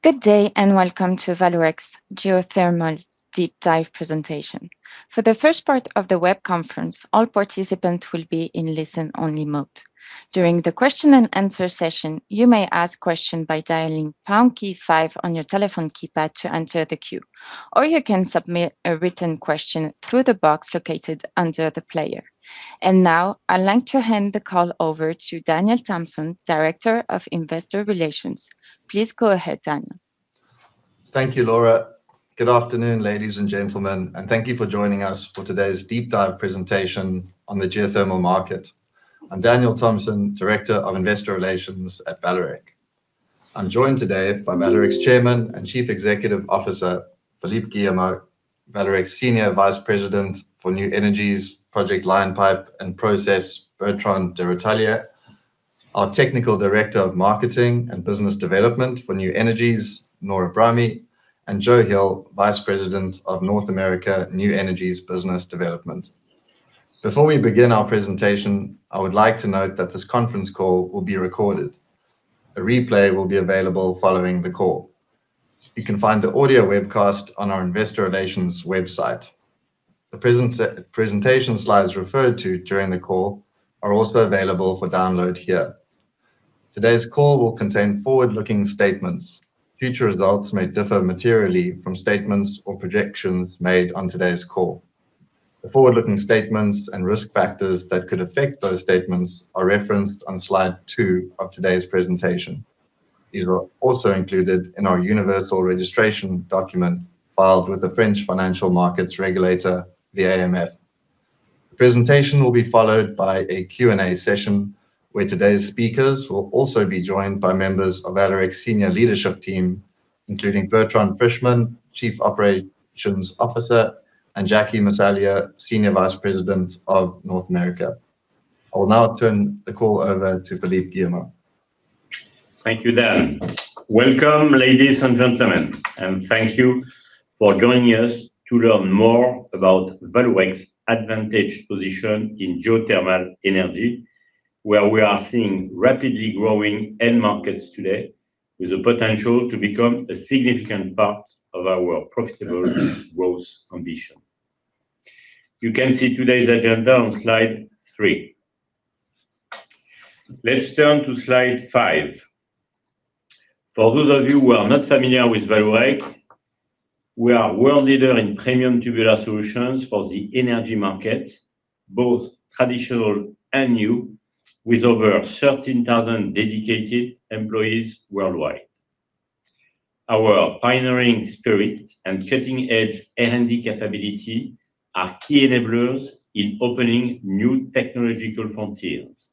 Good day, welcome to Vallourec's Geothermal Deep Dive presentation. For the first part of the web conference, all participants will be in listen-only mode. During the question and answer session, you may ask questions by dialing pound key five on your telephone keypad to enter the queue, or you can submit a written question through the box located under the player. Now I'd like to hand the call over to Daniel Thomson, Director of Investor Relations. Please go ahead, Daniel. Thank you, Laura. Good afternoon, ladies and gentlemen, thank you for joining us for today's deep dive presentation on the geothermal market. I'm Daniel Thomson, Director of Investor Relations at Vallourec. I'm joined today by Vallourec's Chairman and Chief Executive Officer, Philippe Guillemot, Vallourec Senior Vice President for New Energies, Project Line Pipe and Process, Bertrand de Rotalier, our Technical Director of Marketing and Business Development for New Energies, Nora Brahmi, and Joe Hill, Vice President of North America New Energies Business Development. Before we begin our presentation, I would like to note that this conference call will be recorded. A replay will be available following the call. You can find the audio webcast on our investor relations website. The presentation slides referred to during the call are also available for download here. Today's call will contain forward-looking statements. Future results may differ materially from statements or projections made on today's call. The forward-looking statements and risk factors that could affect those statements are referenced on slide two of today's presentation. These are also included in our universal registration document filed with the French financial markets regulator, the AMF. The presentation will be followed by a Q&A session, where today's speakers will also be joined by members of Vallourec senior leadership team, including Bertrand Frischmann, Chief Operations Officer, and Jacky Massaglia, Senior Vice President of North America. Now I will turn the call over to Philippe Guillemot. Thank you, Dan. Welcome, ladies and gentlemen, thank you for joining us to learn more about Vallourec's advantage position in geothermal energy, where we are seeing rapidly growing end markets today with the potential to become a significant part of our profitable growth ambition. You can see today's agenda on slide three. Let's turn to slide five. For those of you who are not familiar with Vallourec, we are world leader in premium tubular solutions for the energy markets, both traditional and new, with over 13,000 dedicated employees worldwide. Our pioneering spirit and cutting-edge R&D capability are key enablers in opening new technological frontiers.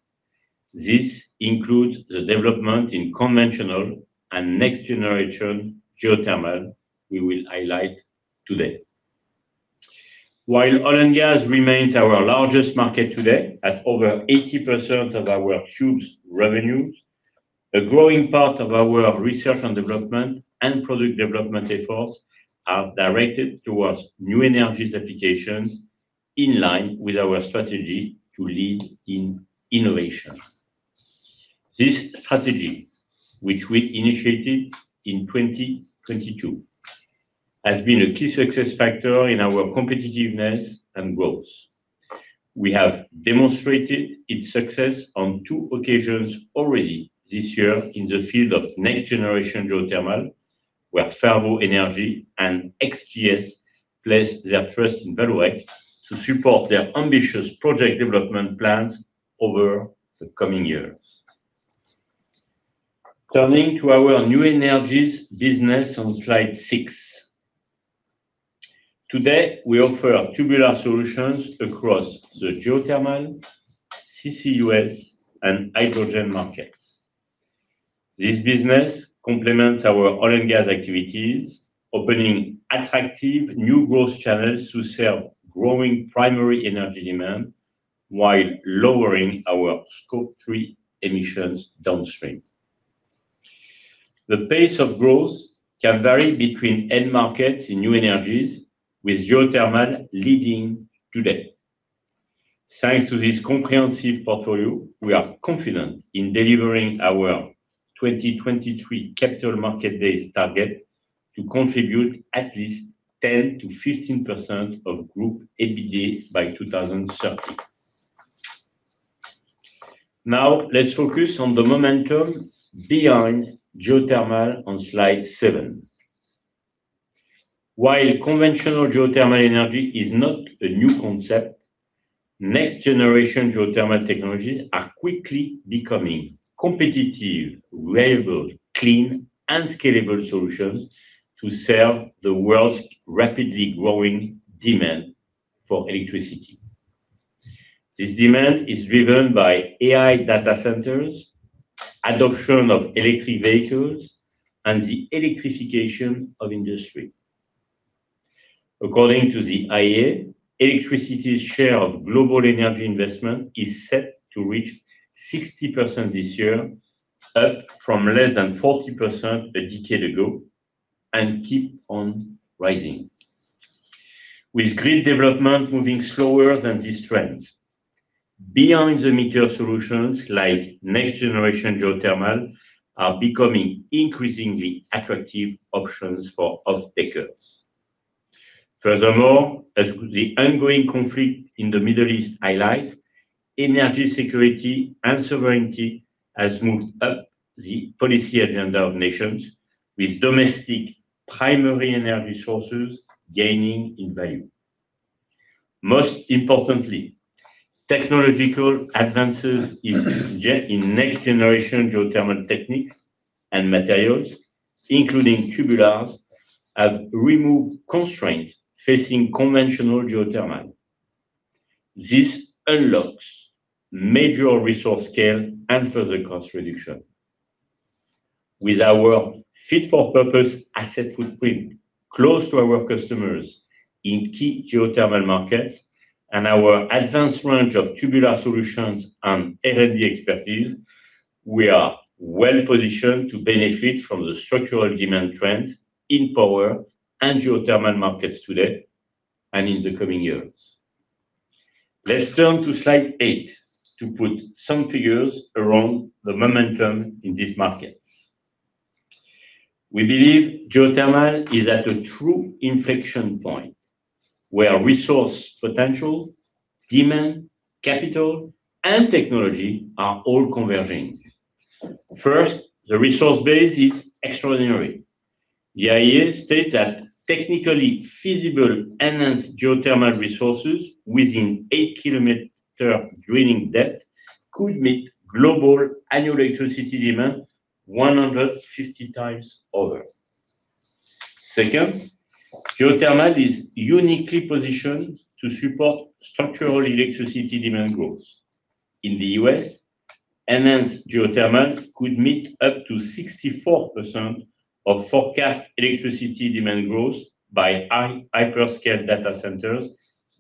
This includes the development in conventional and next-generation geothermal we will highlight today. While oil and gas remains our largest market today, at over 80% of our tubes revenues, a growing part of our research and development and product development efforts are directed towards new energies applications in line with our strategy to lead in innovation. This strategy, which we initiated in 2022, has been a key success factor in our competitiveness and growth. We have demonstrated its success on two occasions already this year in the field of next-generation geothermal, where Fervo Energy and XGS placed their trust in Vallourec to support their ambitious project development plans over the coming years. Turning to our new energies business on slide six. Today, we offer tubular solutions across the geothermal, CCUS, and hydrogen markets. This business complements our oil and gas activities, opening attractive new growth channels to serve growing primary energy demand while lowering our Scope 3 emissions downstream. The pace of growth can vary between end markets in new energies, with geothermal leading today. Thanks to this comprehensive portfolio, we are confident in delivering our 2023 Capital Market Days target to contribute at least 10%-15% of group EBITDA by 2030. Now, let's focus on the momentum behind geothermal on slide seven. While conventional geothermal energy is not a new concept, next-generation geothermal technologies are quickly becoming competitive, reliable, clean, and scalable solutions to serve the world's rapidly growing demand for electricity. This demand is driven by AI data centers, adoption of electric vehicles, and the electrification of industry. According to the IEA, electricity's share of global energy investment is set to reach 60% this year, up from less than 40% a decade ago, and keep on rising. With grid development moving slower than this trend. Beyond the meter solutions like next-generation geothermal are becoming increasingly attractive options for off-takers. Furthermore, as the ongoing conflict in the Middle East highlights, energy security and sovereignty has moved up the policy agenda of nations with domestic primary energy sources gaining in value. Most importantly, technological advances in next-generation geothermal techniques and materials, including tubulars, have removed constraints facing conventional geothermal. This unlocks major resource scale and further cost reduction. With our fit for purpose asset footprint close to our customers in key geothermal markets and our advanced range of tubular solutions and R&D expertise, we are well-positioned to benefit from the structural demand trends in power and geothermal markets today and in the coming years. Let's turn to slide eight to put some figures around the momentum in these markets. We believe geothermal is at a true inflection point where resource potential, demand, capital, and technology are all converging. First, the resource base is extraordinary. The IEA states that technically feasible enhanced geothermal resources within eight-kilometer drilling depth could meet global annual electricity demand 150 times over. Second, geothermal is uniquely positioned to support structural electricity demand growth. In the U.S., enhanced geothermal could meet up to 64% of forecast electricity demand growth by hyperscale data centers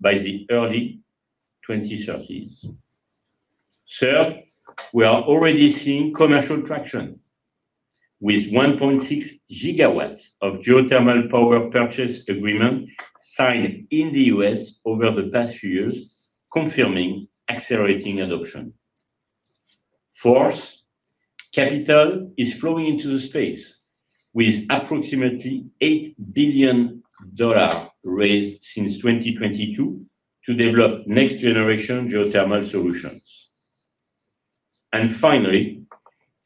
by the early 2030. Third, we are already seeing commercial traction with 1.6 gigawatts of geothermal power purchase agreement signed in the U.S. over the past few years, confirming accelerating adoption. Fourth, capital is flowing into the space with approximately EUR 8 billion raised since 2022 to develop next-generation geothermal solutions. And finally,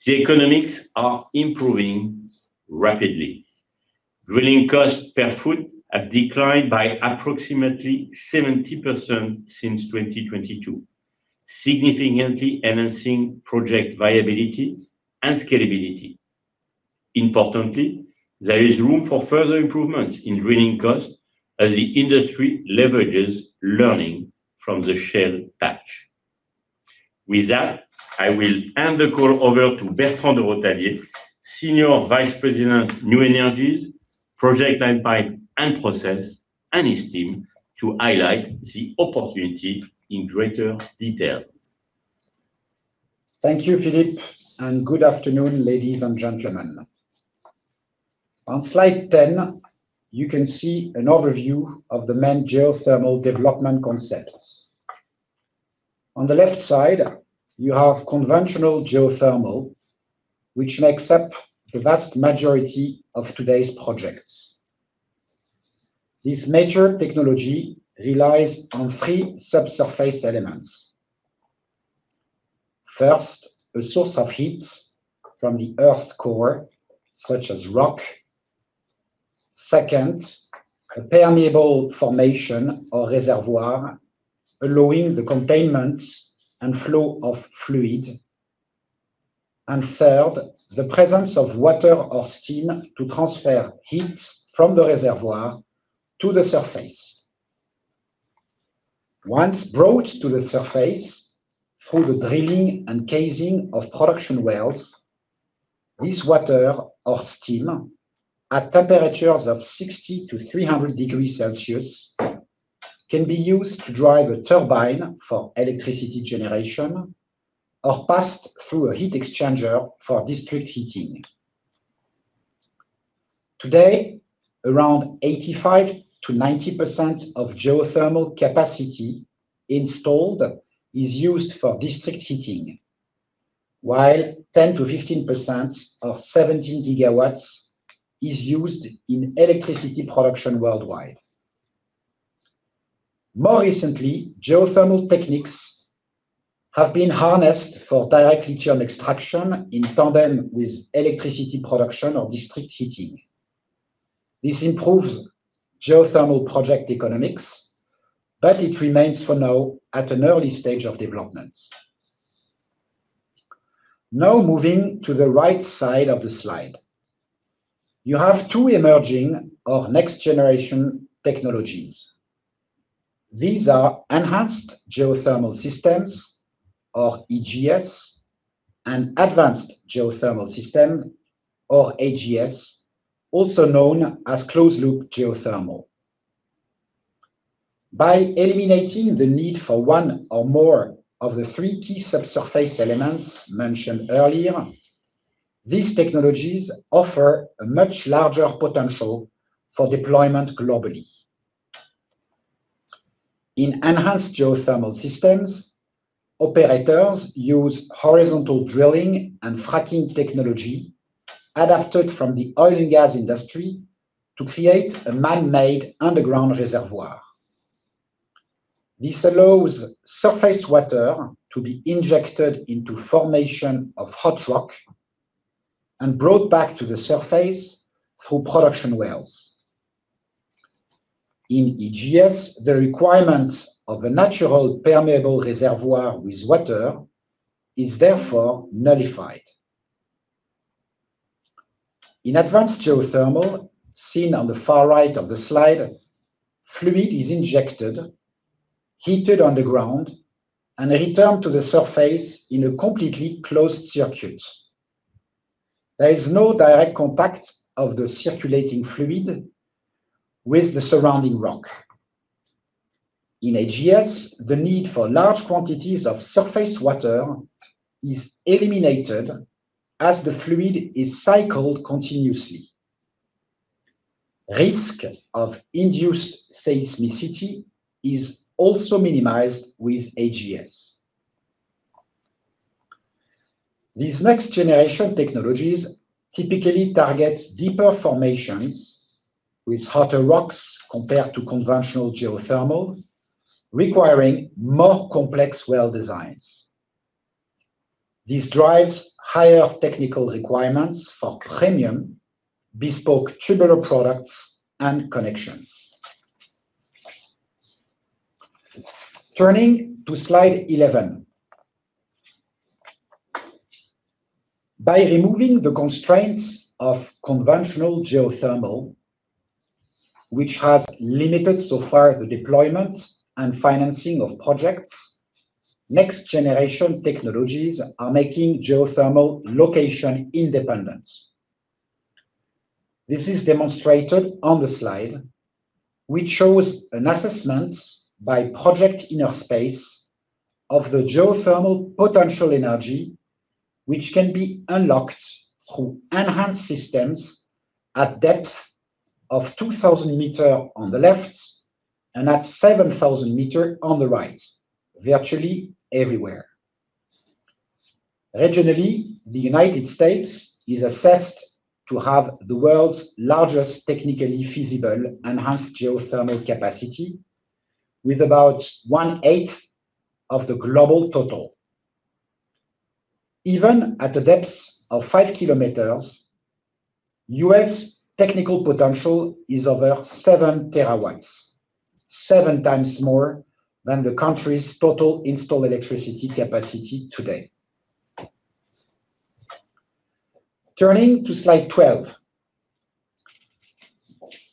the economics are improving rapidly. Drilling costs per foot have declined by approximately 70% since 2022, significantly enhancing project viability and scalability. Importantly, there is room for further improvements in drilling costs as the industry leverages learning from the shale patch. With that, I will hand the call over to Bertrand de Rotalier, Senior Vice President of New Energies, Project and Process, and his team to highlight the opportunity in greater detail. Thank you, Philippe, good afternoon, ladies and gentlemen. On slide 10, you can see an overview of the main geothermal development concepts. On the left side, you have conventional geothermal, which makes up the vast majority of today's projects. This mature technology relies on three subsurface elements. First, a source of heat from the Earth core, such as rock. Second, a permeable formation or reservoir allowing the containment and flow of fluid. Third, the presence of water or steam to transfer heat from the reservoir to the surface. Once brought to the surface through the drilling and casing of production wells, this water or steam at temperatures of 60 to 300 degrees Celsius, can be used to drive a turbine for electricity generation or passed through a heat exchanger for district heating. Today, around 85% to 90% of geothermal capacity installed is used for district heating, while 10% to 15% of 17 gigawatts is used in electricity production worldwide. More recently, geothermal techniques have been harnessed for direct lithium extraction in tandem with electricity production or district heating. This improves geothermal project economics, it remains for now at an early stage of development. Moving to the right side of the slide. You have two emerging or next generation technologies. These are enhanced geothermal systems or EGS and advanced geothermal systems or AGS, also known as closed-loop geothermal. By eliminating the need for one or more of the three key subsurface elements mentioned earlier, these technologies offer a much larger potential for deployment globally. In enhanced geothermal systems, operators use horizontal drilling and fracking technology adapted from the oil and gas industry to create a man-made underground reservoir. This allows surface water to be injected into a formation of hot rock and brought back to the surface through production wells. In EGS, the requirements of a natural permeable reservoir with water is therefore nullified. In advanced geothermal, seen on the far right of the slide, fluid is injected, heated underground, and returned to the surface in a completely closed circuit. There is no direct contact of the circulating fluid with the surrounding rock. In AGS, the need for large quantities of surface water is eliminated as the fluid is cycled continuously. Risk of induced seismicity is also minimized with AGS. These next generation technologies typically target deeper formations with hotter rocks compared to conventional geothermal, requiring more complex well designs. This drives higher technical requirements for premium bespoke tubular products and connections. Turning to slide 11. By removing the constraints of conventional geothermal, which has limited so far the deployment and financing of projects, next-generation technologies are making geothermal location-independent. This is demonstrated on the slide, which shows an assessment by Project InnerSpace of the geothermal potential energy, which can be unlocked through enhanced systems at depth of 2,000 meters on the left and at 7,000 meters on the right, virtually everywhere. Regionally, the U.S. is assessed to have the world's largest technically feasible enhanced geothermal capacity with about one-eighth of the global total. Even at the depths of five kilometers, U.S. technical potential is over seven terawatts, seven times more than the country's total installed electricity capacity today. Turning to slide 12.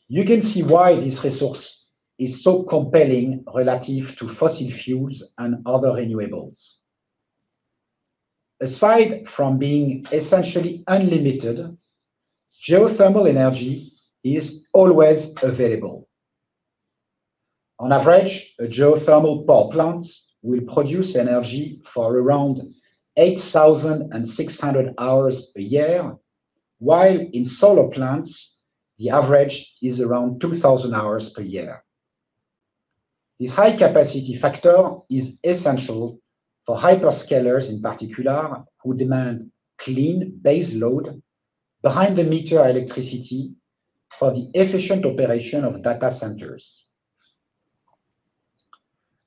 You can see why this resource is so compelling relative to fossil fuels and other renewables. Aside from being essentially unlimited, geothermal energy is always available. On average, a geothermal power plant will produce energy for around 8,600 hours a year, while in solar plants, the average is around 2,000 hours per year. This high capacity factor is essential for hyperscalers in particular, who demand clean baseload behind the meter electricity for the efficient operation of data centers.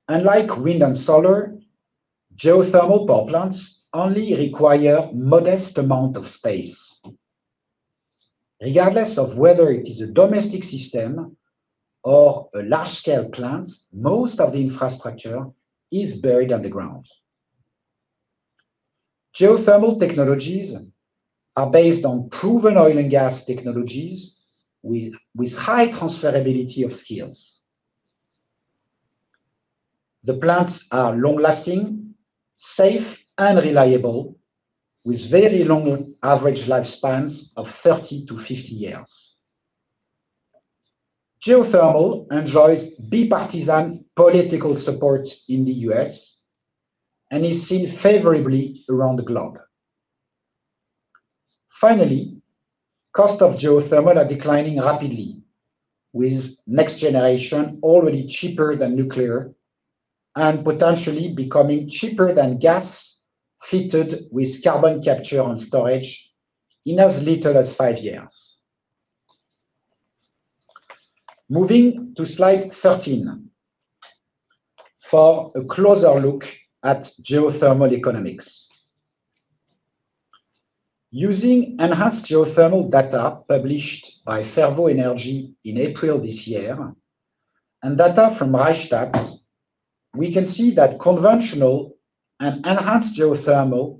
Unlike wind and solar, geothermal power plants only require modest amount of space. Regardless of whether it is a domestic system or a large-scale plant, most of the infrastructure is buried underground. Geothermal technologies are based on proven oil and gas technologies with high transferability of skills. The plants are long-lasting, safe, and reliable, with very long average lifespans of 30-50 years. Geothermal enjoys bipartisan political support in the U.S. and is seen favorably around the globe. Finally, costs of geothermal are declining rapidly with next-generation already cheaper than nuclear and potentially becoming cheaper than gas fitted with carbon capture and storage in as little as five years. Moving to slide 13 for a closer look at geothermal economics. Using enhanced geothermal data published by Fervo Energy in April this year, and data from Rystad, we can see that conventional and enhanced geothermal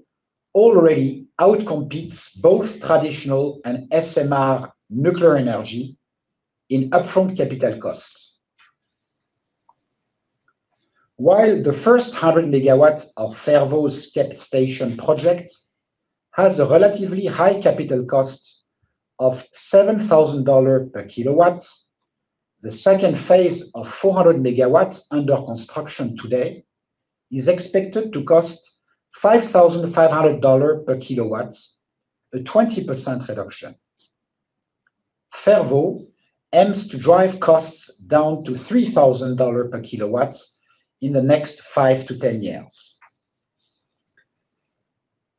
already outcompetes both traditional and SMR nuclear energy in upfront capital costs. While the first 100 megawatts of Fervo's Cape Station project has a relatively high capital cost of $7,000 per kilowatt, the second phase of 400 megawatts under construction today is expected to cost $5,500 per kilowatt, a 20% reduction. Fervo aims to drive costs down to $3,000 per kilowatt in the next 5-10 years.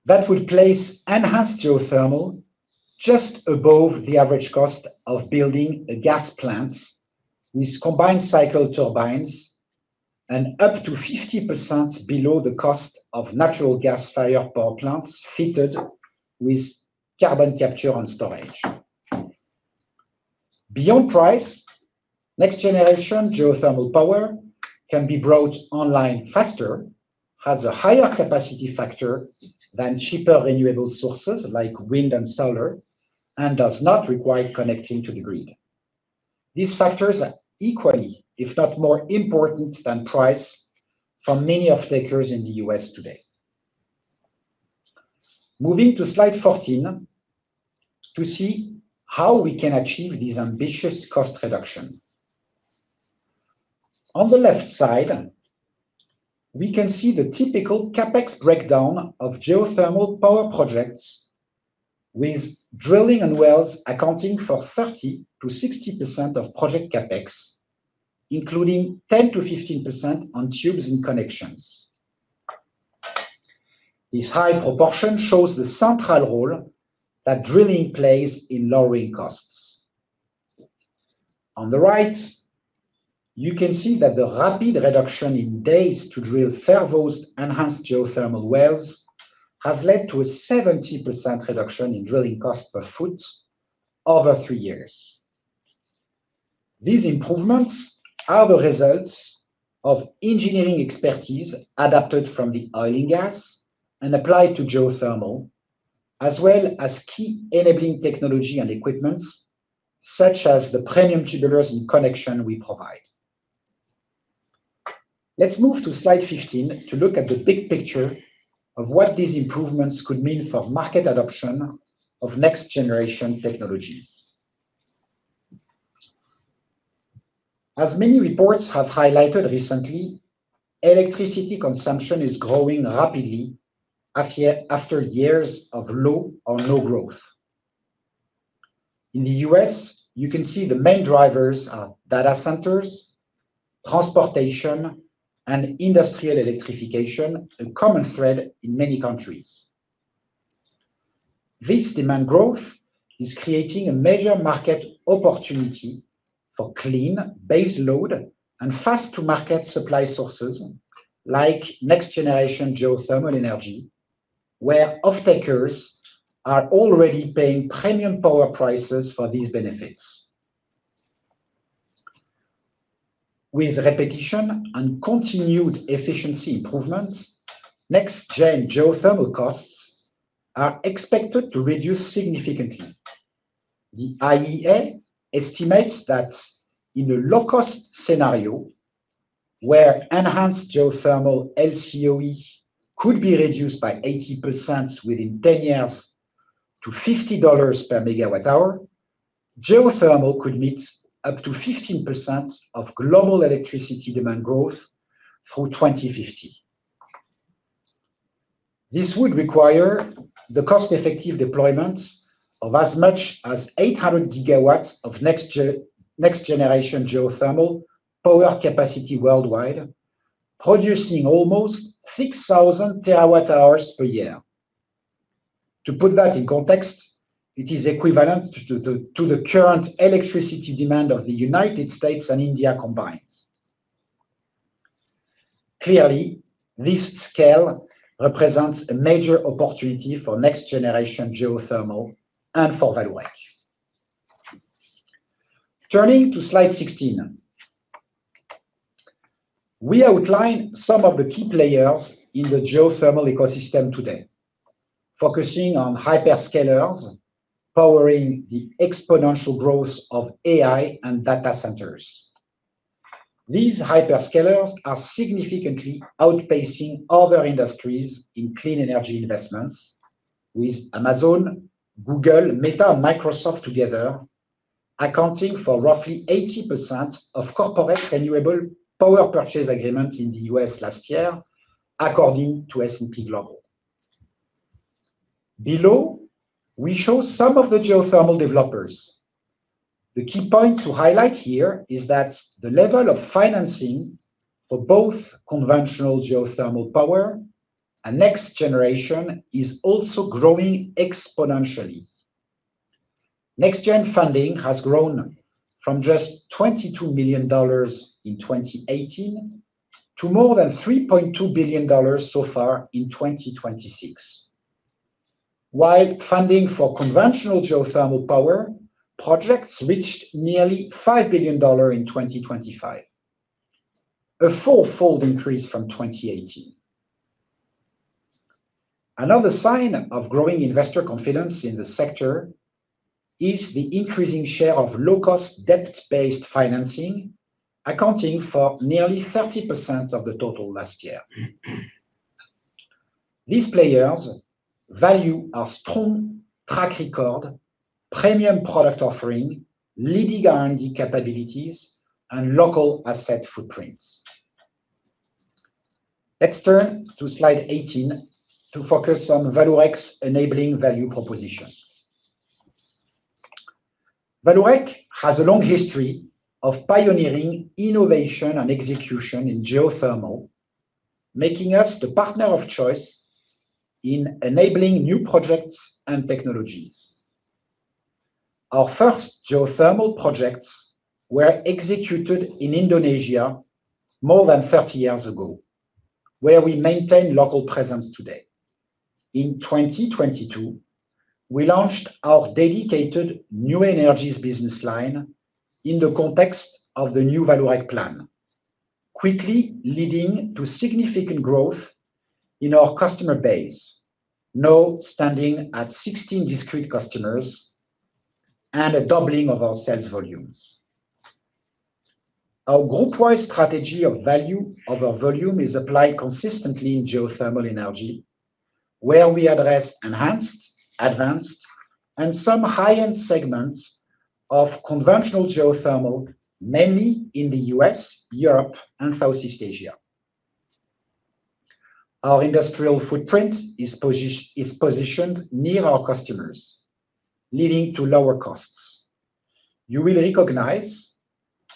That would place enhanced geothermal just above the average cost of building a gas plant with combined cycle turbines and up to 50% below the cost of natural gas-fired power plants fitted with carbon capture and storage. Beyond price, next-generation geothermal power can be brought online faster, has a higher capacity factor than cheaper renewable sources like wind and solar, and does not require connecting to the grid. These factors are equally, if not more important than price for many off-takers in the U.S. today. Moving to slide 14 to see how we can achieve this ambitious cost reduction. On the left side, we can see the typical CapEx breakdown of geothermal power projects with drilling and wells accounting for 30%-60% of project CapEx, including 10%-15% on tubes and connections. This high proportion shows the central role that drilling plays in lowering costs. On the right, you can see that the rapid reduction in days to drill Fervo's enhanced geothermal wells has led to a 70% reduction in drilling cost per foot over three years. These improvements are the results of engineering expertise adapted from the oil and gas and applied to geothermal, as well as key enabling technology and equipment such as the premium tubulars and connection we provide. Let's move to slide 15 to look at the big picture of what these improvements could mean for market adoption of next-generation technologies. As many reports have highlighted recently, electricity consumption is growing rapidly after years of low or no growth. In the U.S., you can see the main drivers are data centers, transportation, and industrial electrification, a common thread in many countries. This demand growth is creating a major market opportunity for clean, base load, and fast-to-market supply sources like next-generation geothermal energy, where off-takers are already paying premium power prices for these benefits. With repetition and continued efficiency improvements, next-gen geothermal costs are expected to reduce significantly. The IEA estimates that in a low-cost scenario where enhanced geothermal LCOE could be reduced by 80% within 10 years to EUR 50 per megawatt hour. Geothermal could meet up to 15% of global electricity demand growth through 2050. This would require the cost-effective deployment of as much as 800 gigawatts of next-generation geothermal power capacity worldwide, producing almost 6,000 terawatt hours per year. To put that in context, it is equivalent to the current electricity demand of the United States and India combined. Clearly, this scale represents a major opportunity for next-generation geothermal and for Vallourec. Turning to slide 16. We outline some of the key players in the geothermal ecosystem today, focusing on hyperscalers powering the exponential growth of AI and data centers. These hyperscalers are significantly outpacing other industries in clean energy investments with Amazon, Google, Meta, Microsoft together accounting for roughly 80% of corporate renewable power purchase agreement in the U.S. last year, according to S&P Global. Below, we show some of the geothermal developers. The key point to highlight here is that the level of financing for both conventional geothermal power and next generation is also growing exponentially. Next-gen funding has grown from just EUR 22 million in 2018 to more than EUR 3.2 billion so far in 2026, while funding for conventional geothermal power projects reached nearly EUR 5 billion in 2025, a four-fold increase from 2018. Another sign of growing investor confidence in the sector is the increasing share of low-cost, debt-based financing, accounting for nearly 30% of the total last year. These players value our strong track record, premium product offering, leading R&D capabilities, and local asset footprints. Let's turn to slide 18 to focus on Vallourec's enabling value proposition. Vallourec has a long history of pioneering innovation and execution in geothermal, making us the partner of choice in enabling new projects and technologies. Our first geothermal projects were executed in Indonesia more than 30 years ago, where we maintain local presence today. In 2022, we launched our dedicated New Energies business line in the context of the New Vallourec plan, quickly leading to significant growth in our customer base, now standing at 16 discrete customers and a doubling of our sales volumes. Our group-wide strategy of value over volume is applied consistently in geothermal energy, where we address enhanced, advanced, and some high-end segments of conventional geothermal, mainly in the U.S., Europe, and Southeast Asia. Our industrial footprint is positioned near our customers, leading to lower costs. You will recognize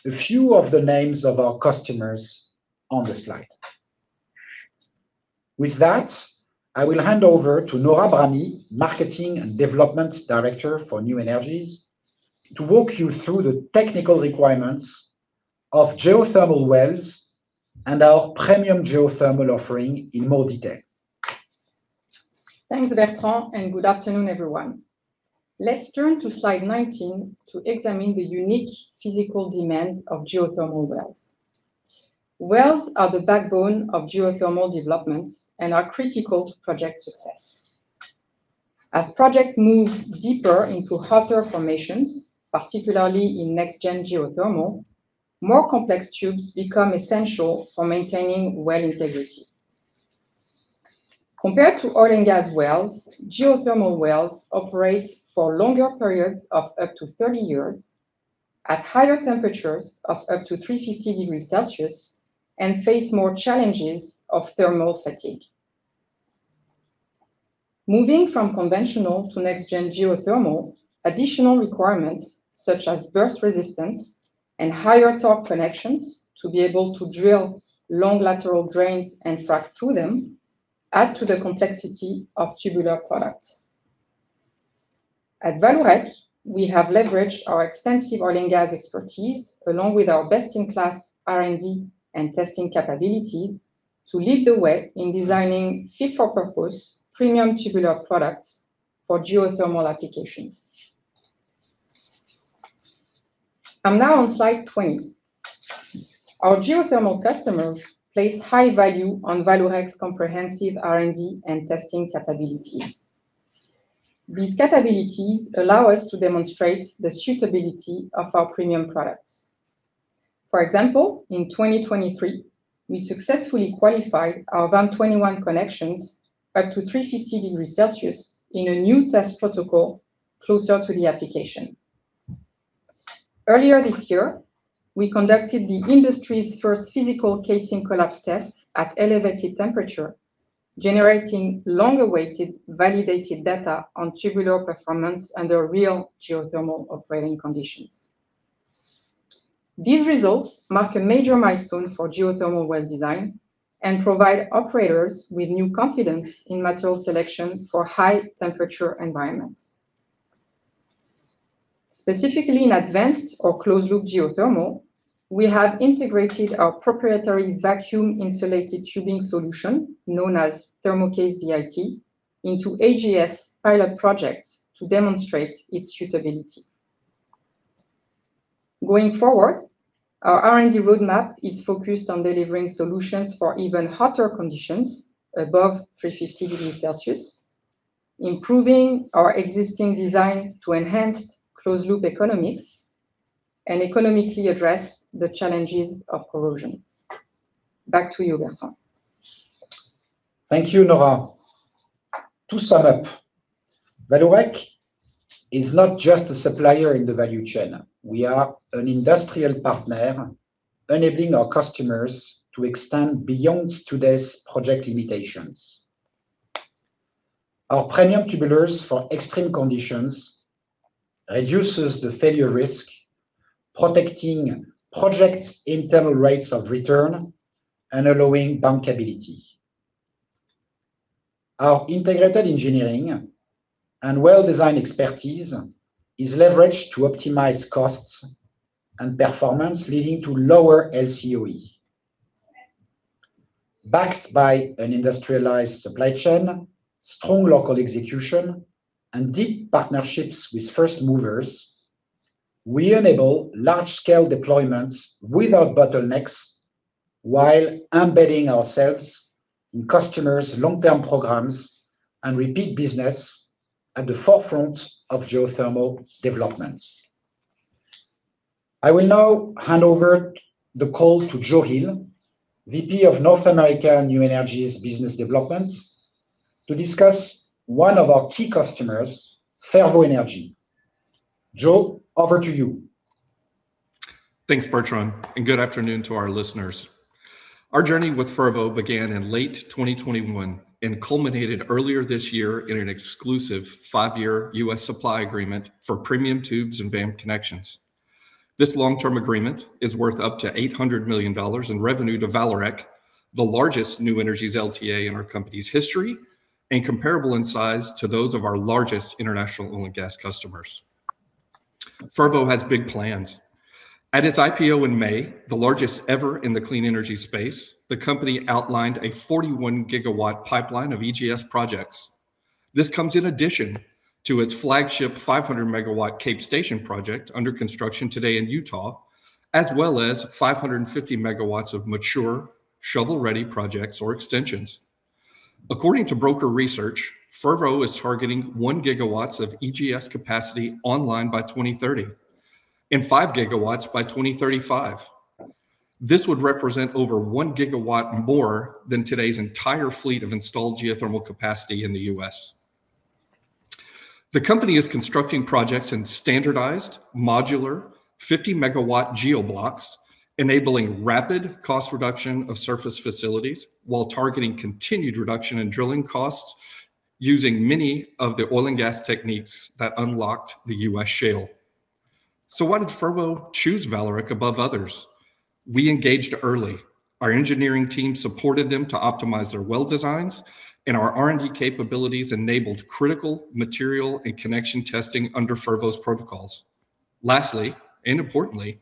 a few of the names of our customers on the slide. With that, I will hand over to Nora Brahmi, marketing and developments director for New Energies, to walk you through the technical requirements of geothermal wells and our premium geothermal offering in more detail. Thanks, Bertrand, and good afternoon, everyone. Let's turn to slide 19 to examine the unique physical demands of geothermal wells. Wells are the backbone of geothermal developments and are critical to project success. As projects move deeper into hotter formations, particularly in next-gen geothermal, more complex tubes become essential for maintaining well integrity. Compared to oil and gas wells, geothermal wells operate for longer periods of up to 30 years at higher temperatures of up to 350 degrees Celsius and face more challenges of thermal fatigue. Moving from conventional to next-gen geothermal, additional requirements such as burst resistance and higher torque connections to be able to drill long lateral drains and frack through them add to the complexity of tubular products. At Vallourec, we have leveraged our extensive oil and gas expertise, along with our best-in-class R&D and testing capabilities, to lead the way in designing fit-for-purpose premium tubular products for geothermal applications. I'm now on slide 20. Our geothermal customers place high value on Vallourec's comprehensive R&D and testing capabilities. These capabilities allow us to demonstrate the suitability of our premium products. For example, in 2023, we successfully qualified our VAM-21 connections up to 350 degrees Celsius in a new test protocol closer to the application. Earlier this year, we conducted the industry's first physical casing collapse test at elevated temperature, generating long-awaited validated data on tubular performance under real geothermal operating conditions. These results mark a major milestone for geothermal well design and provide operators with new confidence in material selection for high-temperature environments. Specifically in advanced or closed-loop geothermal, we have integrated our proprietary vacuum insulated tubing solution, known as THERMOCASE VIT, into AGS pilot projects to demonstrate its suitability. Going forward, our R&D roadmap is focused on delivering solutions for even hotter conditions above 350 degrees Celsius, improving our existing design to enhance closed-loop economics, and economically address the challenges of corrosion. Back to you, Bertrand. Thank you, Nora. To sum up, Vallourec is not just a supplier in the value chain. We are an industrial partner enabling our customers to extend beyond today's project limitations. Our premium tubulars for extreme conditions reduces the failure risk, protecting project's internal rates of return, and allowing bankability. Our integrated engineering and well design expertise is leveraged to optimize costs and performance, leading to lower LCOE. Backed by an industrialized supply chain, strong local execution, and deep partnerships with first movers, we enable large-scale deployments without bottlenecks while embedding ourselves in customers' long-term programs and repeat business at the forefront of geothermal developments. I will now hand over the call to Joe Hill, VP of North America New Energies Business Development, to discuss one of our key customers, Fervo Energy. Joe, over to you. Thanks, Bertrand, and good afternoon to our listeners. Our journey with Fervo began in late 2021 and culminated earlier this year in an exclusive five-year U.S. supply agreement for premium tubes and VAM connections. This long-term agreement is worth up to $800 million in revenue to Vallourec, the largest New Energies LTA in our company's history, and comparable in size to those of our largest international oil and gas customers. Fervo has big plans. At its IPO in May, the largest ever in the clean energy space, the company outlined a 41-gigawatt pipeline of EGS projects. This comes in addition to its flagship 500-megawatt Cape Station project, under construction today in Utah, as well as 550 megawatts of mature shovel-ready projects or extensions. According to broker research, Fervo is targeting one gigawatts of EGS capacity online by 2030 and five gigawatts by 2035. This would represent over one gigawatt more than today's entire fleet of installed geothermal capacity in the U.S. The company is constructing projects in standardized modular 50-megawatt geo-blocks, enabling rapid cost reduction of surface facilities while targeting continued reduction in drilling costs using many of the oil and gas techniques that unlocked the U.S. shale. Why did Fervo choose Vallourec above others? We engaged early. Our engineering team supported them to optimize their well designs, and our R&D capabilities enabled critical material and connection testing under Fervo's protocols. Lastly, and importantly,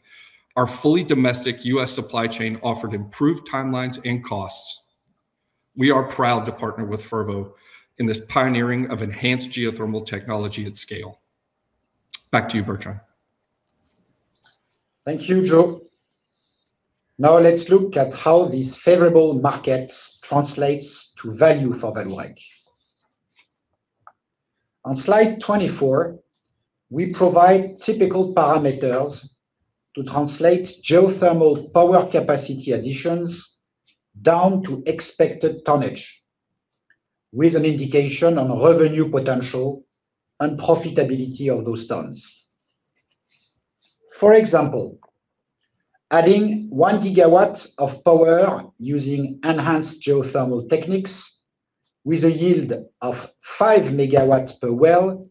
our fully domestic U.S. supply chain offered improved timelines and costs. We are proud to partner with Fervo in this pioneering of enhanced geothermal technology at scale. Back to you, Bertrand. Thank you, Joe. Let's look at how these favorable markets translates to value for Vallourec. On slide 24, we provide typical parameters to translate geothermal power capacity additions down to expected tonnage with an indication on revenue potential and profitability of those tons. For example, adding one gigawatts of power using enhanced geothermal techniques with a yield of five megawatts per well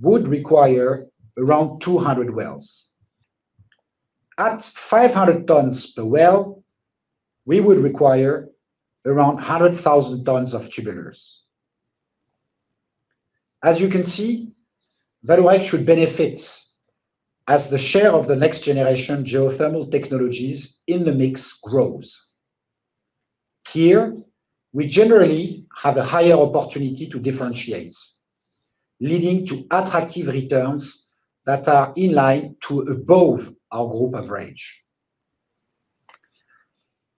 would require around 200 wells. At 500 tons per well, we would require around 100,000 tons of tubulars. As you can see, Vallourec should benefit as the share of the next-generation geothermal technologies in the mix grows. Here, we generally have a higher opportunity to differentiate, leading to attractive returns that are in line to above our group average.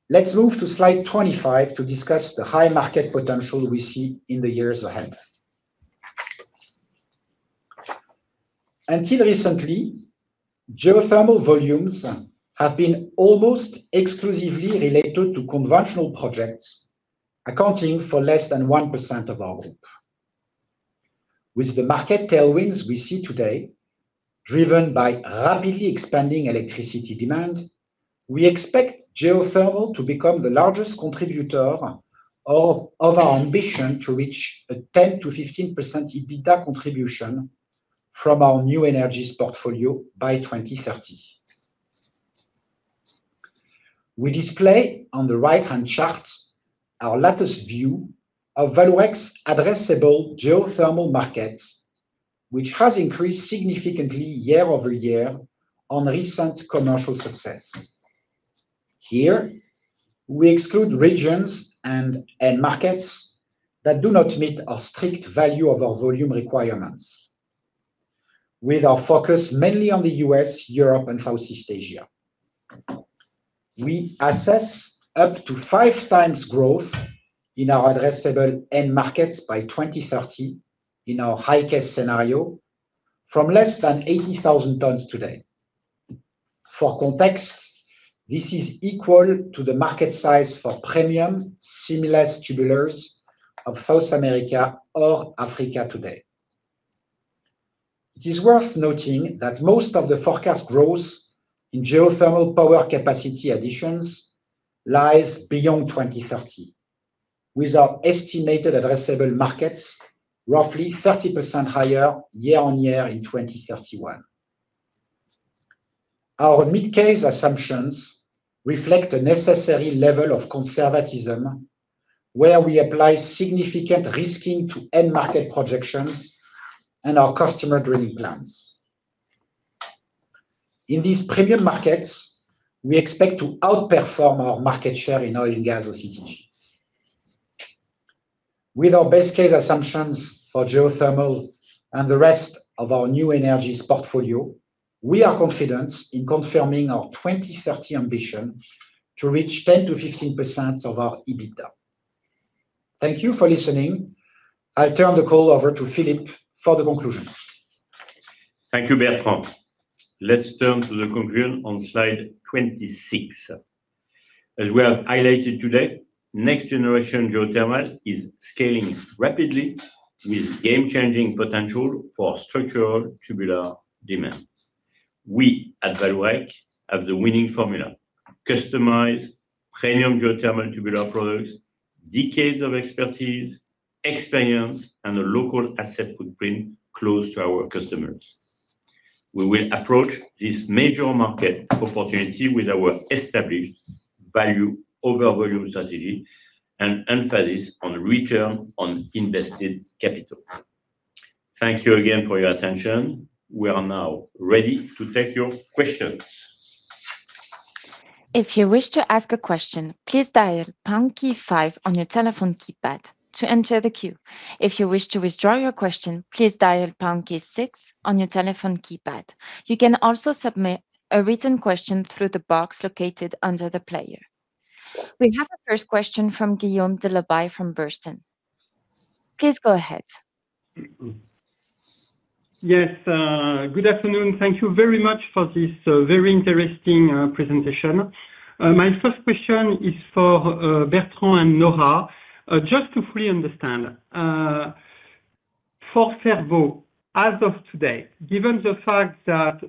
Let's move to slide 25 to discuss the high market potential we see in the years ahead. Until recently, geothermal volumes have been almost exclusively related to conventional projects, accounting for less than 1% of our group. With the market tailwinds we see today, driven by rapidly expanding electricity demand, we expect geothermal to become the largest contributor of our ambition to reach a 10%-15% EBITDA contribution from our New Energies portfolio by 2030. We display on the right-hand chart our latest view of Vallourec's addressable geothermal markets, which has increased significantly year-over-year on recent commercial success. Here, we exclude regions and end markets that do not meet our strict value over volume requirements. With our focus mainly on the U.S., Europe, and Southeast Asia. We assess up to five times growth in our addressable end markets by 2030 in our high-case scenario from less than 80,000 tons today. For context, this is equal to the market size for premium seamless tubulars of South America or Africa today. It is worth noting that most of the forecast growth in geothermal power capacity additions lies beyond 2030, with our estimated addressable markets roughly 30% higher year-on-year in 2031. Our mid-case assumptions reflect a necessary level of conservatism where we apply significant risking to end market projections and our customer drilling plans. In these premium markets, we expect to outperform our market share in oil and gas or CCUS. With our base case assumptions for geothermal and the rest of our New Energies portfolio, we are confident in confirming our 2030 ambition to reach 10%-15% of our EBITDA. Thank you for listening. I turn the call over to Philippe for the conclusion. Thank you, Bertrand. Let's turn to the conclusion on slide 26. As we have highlighted today, next generation geothermal is scaling rapidly with game-changing potential for structural tubular demand. We at Vallourec have the winning formula: customized premium geothermal tubular products, decades of expertise, experience, and a local asset footprint close to our customers. We will approach this major market opportunity with our established value over volume strategy and emphasis on return on invested capital. Thank you again for your attention. We are now ready to take your questions. If you wish to ask a question, please dial pound key five on your telephone keypad to enter the queue. If you wish to withdraw your question, please dial pound key six on your telephone keypad. You can also submit a written question through the box located under the player. We have a first question from Guillaume Delaby from Bernstein. Please go ahead. Yes. Good afternoon. Thank you very much for this very interesting presentation. My first question is for Bertrand and Nora. Just to fully understand, for Fervo, as of today, given the fact that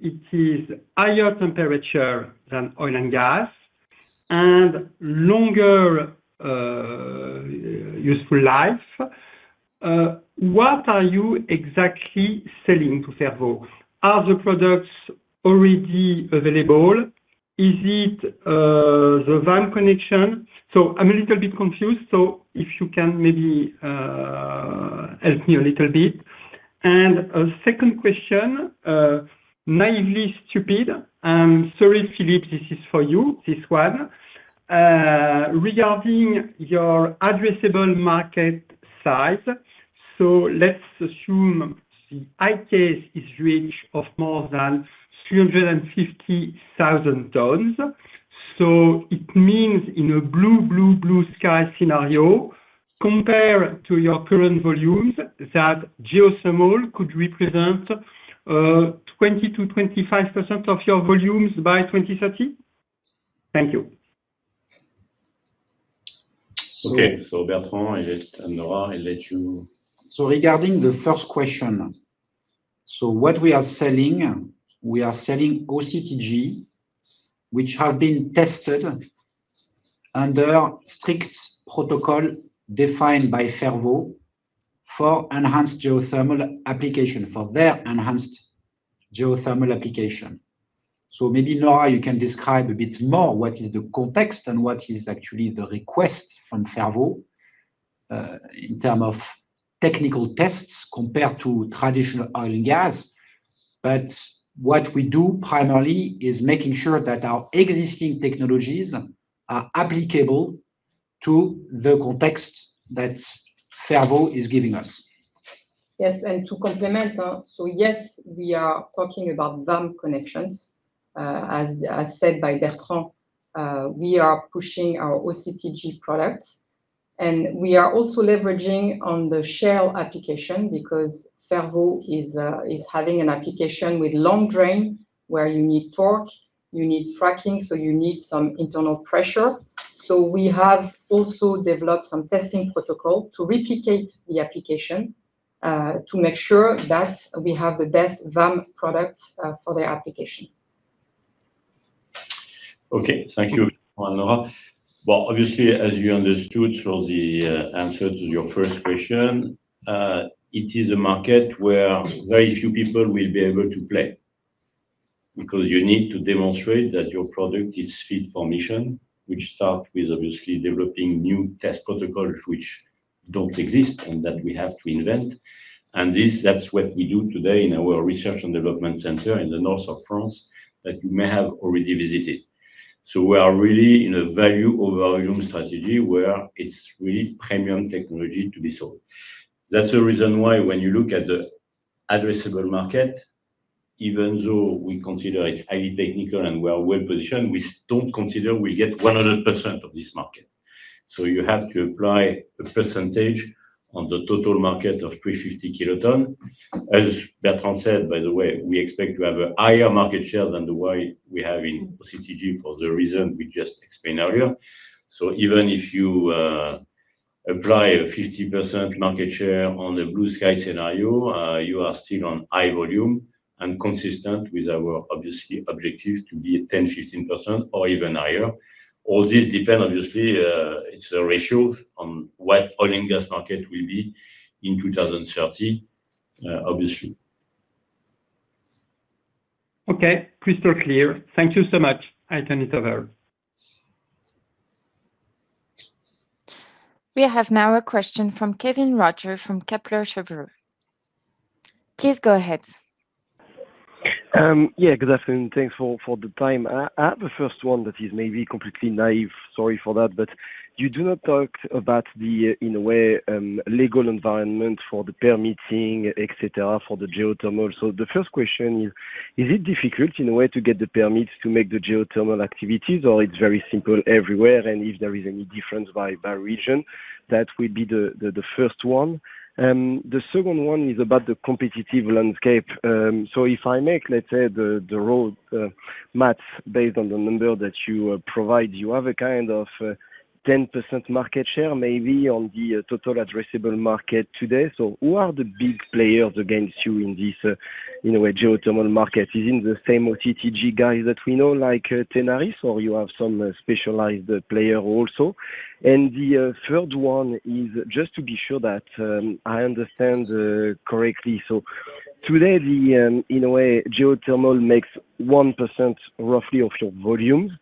it is higher temperature than oil and gas and longer useful life, what are you exactly selling to Fervo? Are the products already available? Is it the VAM connection? I'm a little bit confused, if you can maybe help me a little bit. A second question, naively stupid, I'm sorry, Philippe, this is for you, this one. Regarding your addressable market size. Let's assume the high case is range of more than 350,000 tons. It means in a blue sky scenario, compared to your current volumes, that geothermal could represent 20%-25% of your volumes by 2030? Thank you. Okay. Bertrand and Nora, I let you. Regarding the first question, what we are selling, we are selling OCTG, which have been tested under strict protocol defined by Fervo for enhanced geothermal application, for their enhanced geothermal application. Maybe, Nora, you can describe a bit more what is the context and what is actually the request from Fervo, in term of technical tests compared to traditional oil and gas. What we do primarily is making sure that our existing technologies are applicable to the context that Fervo is giving us. Yes, to complement. Yes, we are talking about VAM connections. As said by Bertrand, we are pushing our OCTG product, we are also leveraging on the shale application because Fervo is having an application with long drain where you need torque, you need fracking, you need some internal pressure. We have also developed some testing protocol to replicate the application, to make sure that we have the best VAM product for their application. Okay. Thank you, Bertrand and Nora. Well, obviously, as you understood from the answer to your first question, it is a market where very few people will be able to play because you need to demonstrate that your product is fit for mission, which start with obviously developing new test protocols which don't exist and that we have to invent. That's what we do today in our research and development center in the north of France that you may have already visited. We are really in a value over volume strategy where it's really premium technology to be sold. That's the reason why when you look at the addressable market, even though we consider it's highly technical and we are well-positioned, we don't consider we get 100% of this market. You have to apply a percentage on the total market of 350 kiloton. As Bertrand said, by the way, we expect to have a higher market share than the way we have in OCTG for the reason we just explained earlier. Even if you apply a 50% market share on the blue sky scenario, you are still on high volume and consistent with our obviously objectives to be at 10%, 15% or even higher. All this depend, obviously, it's a ratio on what oil and gas market will be in 2030, obviously. Okay. Crystal clear. Thank you so much. I turn it over. We have now a question from Kévin Roger from Kepler Cheuvreux. Please go ahead. Yeah. Good afternoon. Thanks for the time. I have a first one that is maybe completely naive, sorry for that. You do not talk about the, in a way, legal environment for the permitting, et cetera, for the geothermal. The first question is: Is it difficult, in a way, to get the permits to make the geothermal activities, or is it very simple everywhere, and if there is any difference by region? That would be the first one. The second one is about the competitive landscape. If I make, let's say, the roadmaps based on the number that you provide, you have a kind of 10% market share, maybe, on the total addressable market today. Who are the big players against you in this geothermal market? Is it the same OCTG guys that we know, like Tenaris, or do you have some specialized player also? The third is just to be sure that I understand correctly. Today, in a way, geothermal makes 1% roughly of your volumes,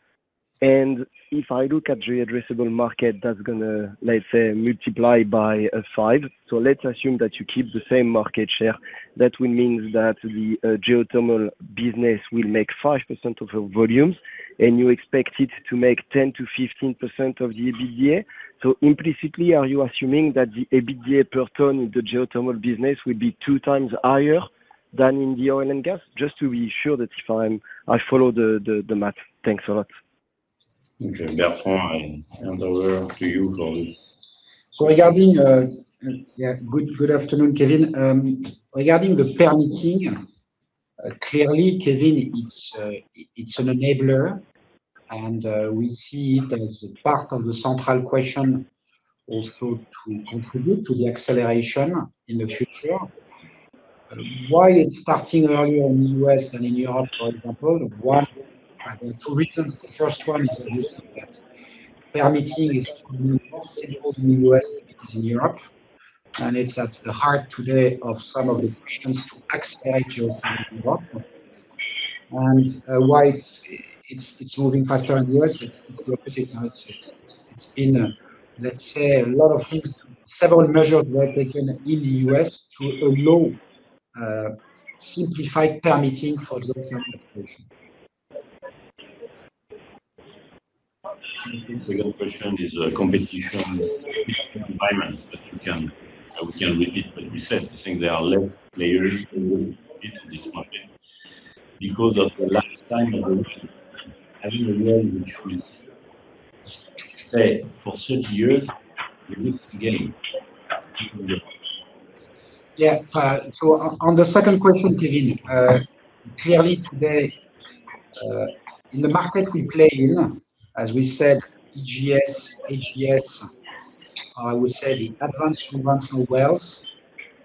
and if I look at your addressable market, that's going to, let's say, multiply by 5. Let's assume that you keep the same market share. That will mean that the geothermal business will make 5% of your volumes, and you expect it to make 10%-15% of the EBITDA. Implicitly, are you assuming that the EBITDA per ton in the geothermal business will be two times higher than in the oil and gas? Just to be sure that I follow the math. Thanks a lot. Okay, Bertrand, I hand over to you for this. Yeah. Good afternoon, Kévin. Regarding the permitting, clearly, Kévin, it's an enabler, and we see it as a part of the central question also to contribute to the acceleration in the future. Why it's starting earlier in the U.S. than in Europe, for example, one out of two reasons. The first one is just that permitting is more simple in the U.S. than it is in Europe, and it's at the heart today of some of the questions to accelerate Europe. Why it's moving faster in the U.S., it's the opposite. It's been, let's say, a lot of things, several measures were taken in the U.S. to allow simplified permitting for those applications. The second question is a competition environment, we can repeat what we said. I think there are less players in this market because of the lifetime evolution. Having a well which will stay for 30 years, you lose the game. On the second question, Kévin, clearly today, in the market we play in, as we said, EGS, AGS, I would say the advanced conventional wells,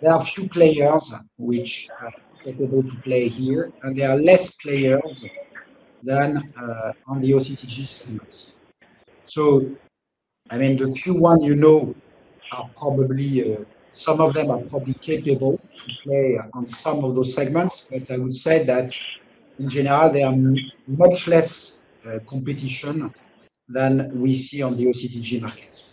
there are few players which are capable to play here, and there are less players than, on the OCTG streams. The few one you know, some of them are probably capable to play on some of those segments. I would say that in general, there are much less competition than we see on the OCTG markets.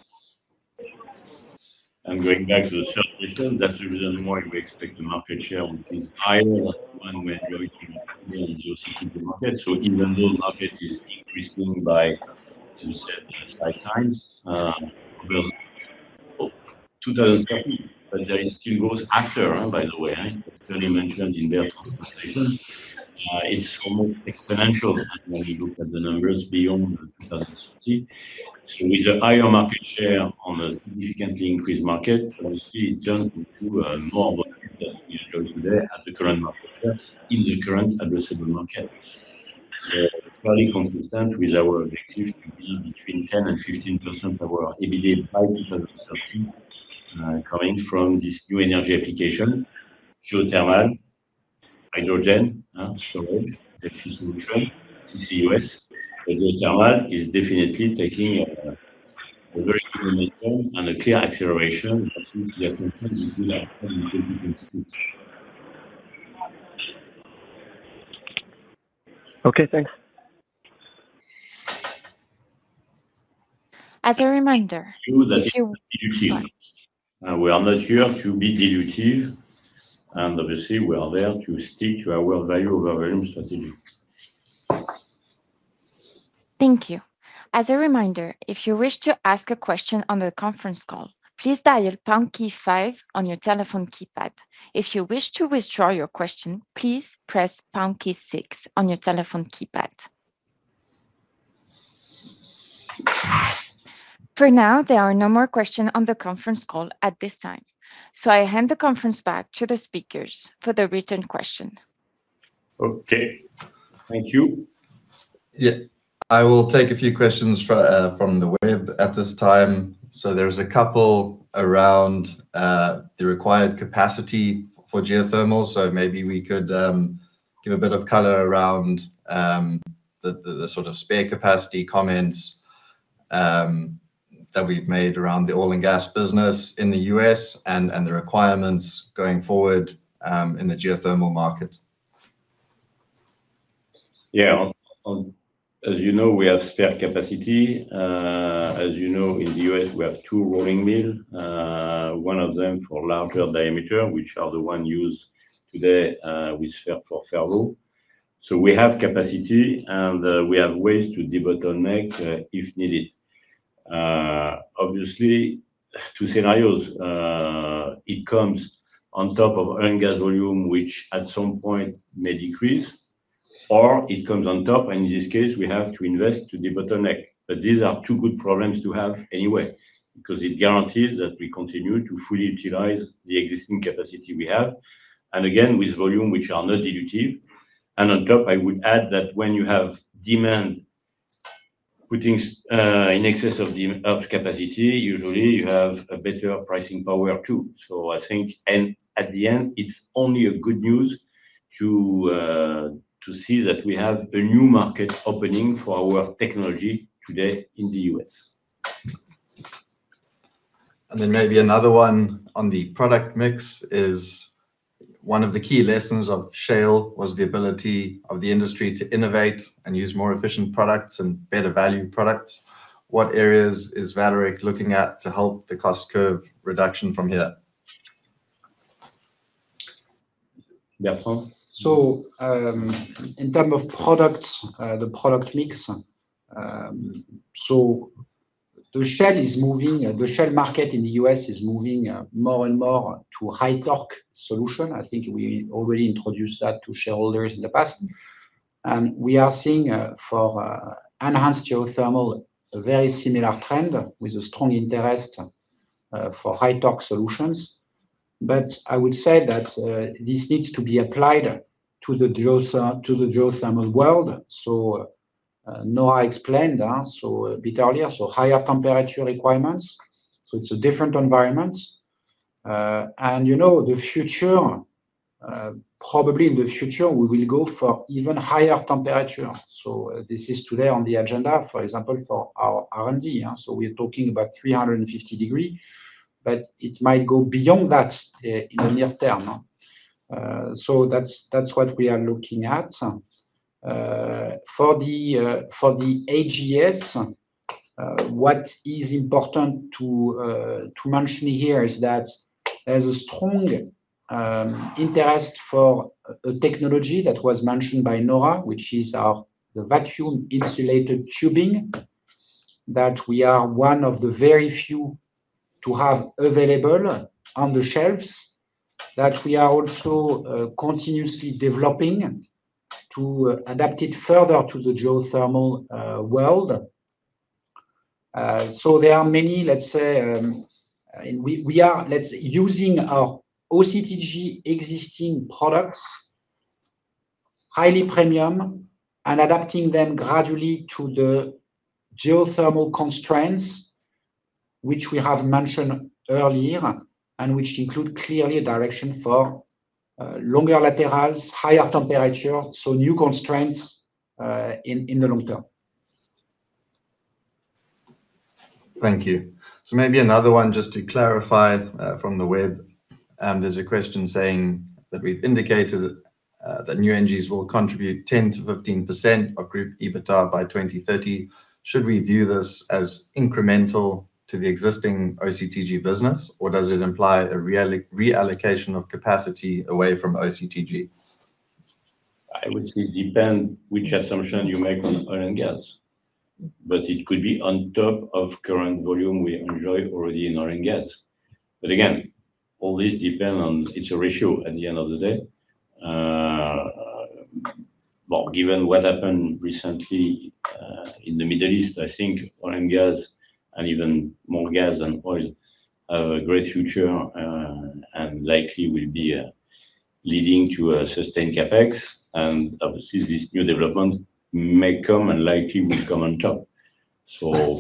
Going back to the first question, that's the reason why we expect the market share, which is higher than the one we enjoy today on the OCTG market. Even though market is increasing by, you said, five times, well, 2030, there is two growth after, by the way, certainly mentioned in Bertrand's presentation. It's almost exponential when we look at the numbers beyond 2030. With a higher market share on a significantly increased market, obviously it turns into more volume than we enjoy today at the current market share in the current addressable market. It's fully consistent with our objective to be between 10% and 15% of our EBITDA by 2030, coming from these new energy applications, geothermal, hydrogen, storage, the few solutions, CCUS. Geothermal is definitely taking a very clear momentum and a clear acceleration since. Okay, thanks. As a reminder. We are not here to be dilutive, obviously, we are there to stick to our value over volume strategy. Thank you. As a reminder, if you wish to ask a question on the conference call, please dial pound key five on your telephone keypad. If you wish to withdraw your question, please press pound key six on your telephone keypad. For now, there are no more question on the conference call at this time, I hand the conference back to the speakers for the written question. Okay. Thank you. Yeah. I will take a few questions from the web at this time. There is a couple around the required capacity for geothermal, maybe we could give a bit of color around the sort of spare capacity comments that we've made around the oil and gas business in the U.S. and the requirements going forward in the geothermal market. Yeah. As you know, we have spare capacity. As you know, in the U.S., we have two rolling mill. One of them for larger diameter, which are the one used today for Fervo. We have capacity, and we have ways to bottleneck if needed. Obviously, two scenarios. It comes on top of oil and gas volume, which at some point may decrease, or it comes on top, and in this case, we have to invest to debottleneck. These are two good problems to have anyway, because it guarantees that we continue to fully utilize the existing capacity we have, and again, with volume, which are not dilutive. On top, I would add that when you have demand putting in excess of capacity, usually you have a better pricing power, too. I think at the end, it's only a good news to see that we have a new market opening for our technology today in the U.S. Maybe another one on the product mix is one of the key lessons of shale was the ability of the industry to innovate and use more efficient products and better value products. What areas is Vallourec looking at to help the cost curve reduction from here? In term of products, the product mix. The shale market in the U.S. is moving more and more to high torque solution. I think we already introduced that to shareholders in the past. We are seeing for enhanced geothermal, a very similar trend with a strong interest for high torque solutions. I would say that this needs to be applied to the geothermal world. Nora explained a bit earlier, higher temperature requirements, it's a different environment. Probably in the future, we will go for even higher temperature. This is today on the agenda, for example, for our R&D. We're talking about 350 degree, but it might go beyond that in the near term. That's what we are looking at. For the AGS, what is important to mention here is that there's a strong interest for a technology that was mentioned by Nora, which is the Vacuum Insulated Tubing that we are one of the very few to have available on the shelves that we are also continuously developing to adapt it further to the geothermal world. There are many, let's say, we are using our OCTG existing products, highly premium, and adapting them gradually to the geothermal constraints, which we have mentioned earlier, and which include clearly a direction for longer laterals, higher temperature, new constraints in the long term. Thank you. Maybe another one just to clarify from the web. There's a question saying that we've indicated that new energies will contribute 10%-15% of group EBITDA by 2030. Should we view this as incremental to the existing OCTG business, or does it imply a reallocation of capacity away from OCTG? I would say it depend which assumption you make on oil and gas, it could be on top of current volume we enjoy already in oil and gas. Again, all this depend on it's a ratio at the end of the day. Given what happened recently in the Middle East, I think oil and gas, and even more gas than oil, have a great future, and likely will be leading to a sustained CapEx. Obviously, this new development may come and likely will come on top.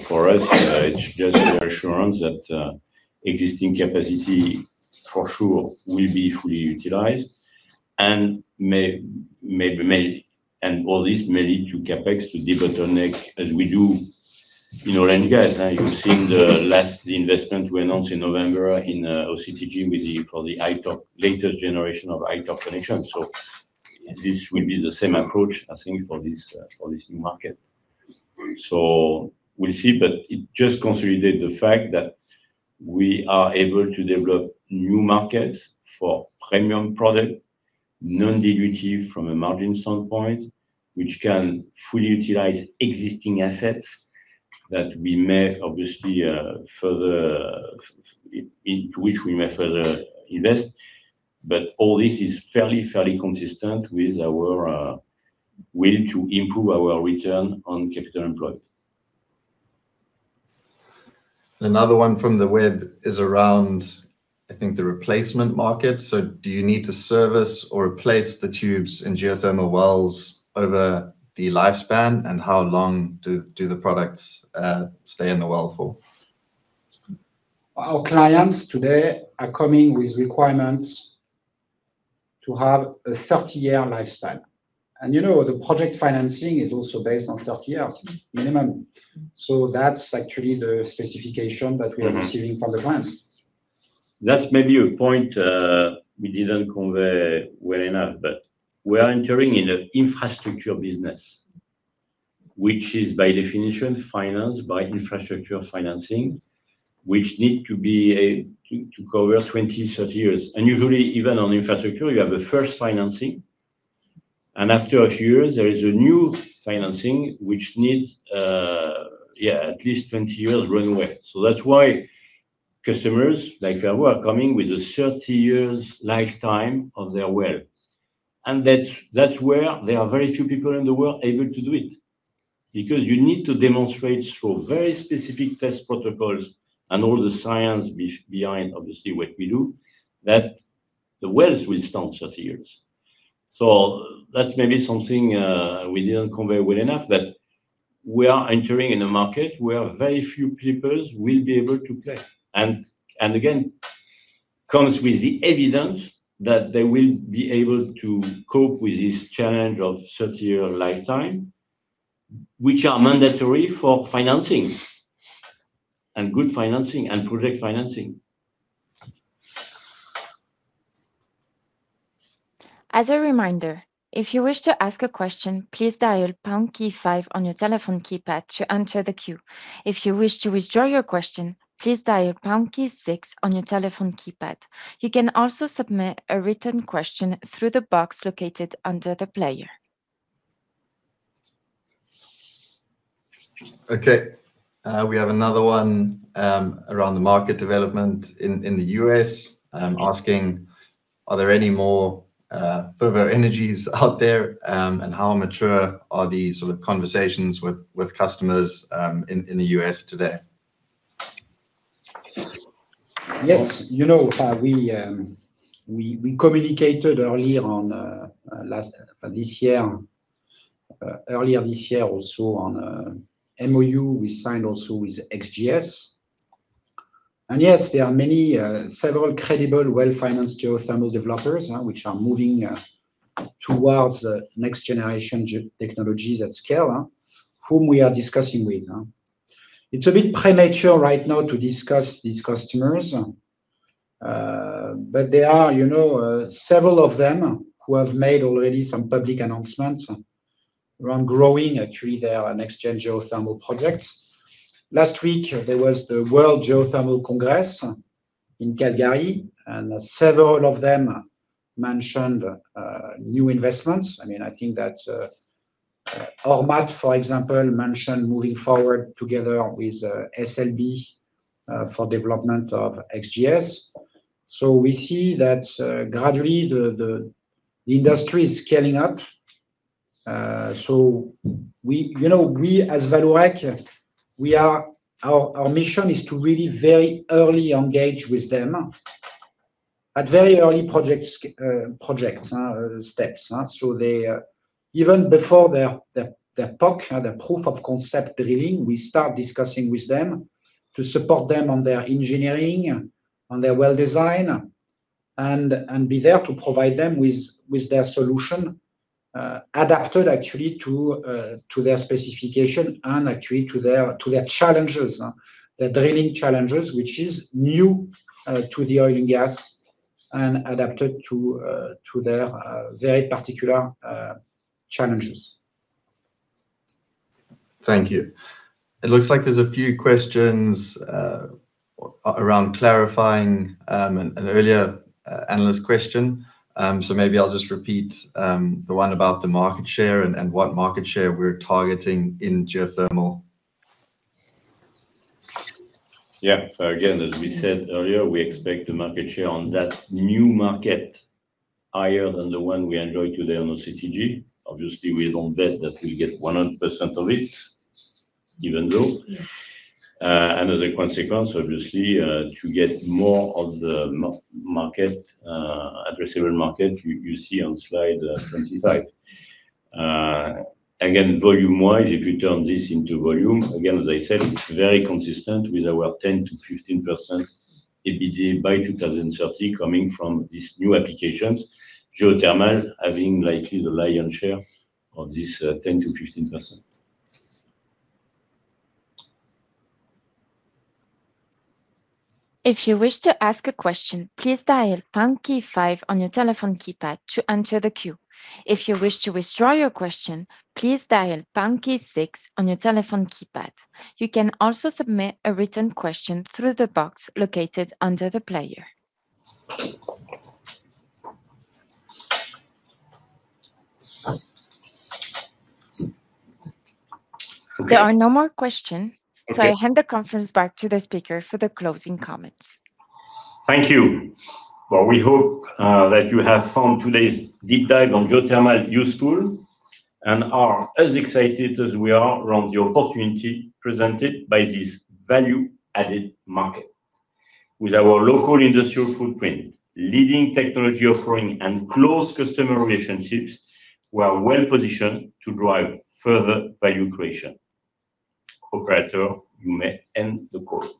For us, it's just a reassurance that existing capacity, for sure, will be fully utilized, and all this may lead to CapEx to debottleneck as we do in oil and gas. You've seen the last investment we announced in November in OCTG for the latest generation of high torque connection. This will be the same approach, I think, for this new market. We'll see, but it just consolidate the fact that we are able to develop new markets for premium product, non-dilutive from a margin standpoint, which can fully utilize existing assets that we may, obviously, into which we may further invest. All this is fairly consistent with our will to improve our return on capital employed. Another one from the web is around, I think, the replacement market. Do you need to service or replace the tubes in geothermal wells over the lifespan, and how long do the products stay in the well for? Our clients today are coming with requirements to have a 30-year lifespan. The project financing is also based on 30 years minimum. That's actually the specification that we are receiving from the clients. That's maybe a point we didn't convey well enough, but we are entering in an infrastructure business, which is by definition financed by infrastructure financing, which need to cover 20, 30 years. Usually even on infrastructure, you have a first financing, and after a few years, there is a new financing which needs at least 20 years runway. That's why customers like Fervo are coming with a 30 years lifetime of their well, and that's where there are very few peoples in the world able to do it. You need to demonstrate through very specific test protocols and all the science behind obviously what we do, that the wells will stand 30 years. That's maybe something we didn't convey well enough, that we are entering in a market where very few peoples will be able to play. Again, comes with the evidence that they will be able to cope with this challenge of 30-year lifetime, which are mandatory for financing and good financing and project financing. As a reminder, if you wish to ask a question, please dial pound key five on your telephone keypad to enter the queue. If you wish to withdraw your question, please dial pound key six on your telephone keypad. You can also submit a written question through the box located under the player. Okay. We have another one around the market development in the U.S., asking are there any more further energies out there? How mature are these sort of conversations with customers in the U.S. today? Yes. We communicated earlier this year also on a MOU we signed also with XGS. Yes, there are several credible well-financed geothermal developers which are moving towards the next generation technologies at scale, whom we are discussing with. It's a bit premature right now to discuss these customers, but there are several of them who have made already some public announcements around growing actually their next-gen geothermal projects. Last week there was the World Geothermal Congress in Calgary, several of them mentioned new investments. I think that Ormat, for example, mentioned moving forward together with SLB for development of XGS. We see that gradually the industry is scaling up. We as Vallourec, our mission is to really very early engage with them at very early project steps. Even before their POC, their proof of concept drilling, we start discussing with them to support them on their engineering, on their well design, and be there to provide them with their solution, adapted actually to their specification and actually to their challenges, their drilling challenges, which is new to the oil and gas, and adapted to their very particular challenges. Thank you. It looks like there's a few questions around clarifying an earlier analyst question. Maybe I'll just repeat the one about the market share and what market share we're targeting in geothermal. Yeah. Again, as we said earlier, we expect the market share on that new market higher than the one we enjoy today on OCTG. Obviously, we don't bet that we'll get 100% of it, even though. As a consequence, obviously, to get more of the addressable market, you see on slide 25. Again, volume-wise, if you turn this into volume, again, as I said, it's very consistent with our 10%-15% EBITDA by 2030 coming from these new applications. Geothermal having likely the lion's share of this 10%-15%. If you wish to ask a question, please dial pound key five on your telephone keypad to enter the queue. If you wish to withdraw your question, please dial pound key six on your telephone keypad. You can also submit a written question through the box located under the player. There are no more question. I hand the conference back to the speaker for the closing comments. Thank you. Well, we hope that you have found today's deep dive on geothermal useful and are as excited as we are around the opportunity presented by this value-added market. With our local industrial footprint, leading technology offering, and close customer relationships, we are well-positioned to drive further value creation. Operator, you may end the call.